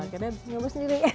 akhirnya nyobot sendiri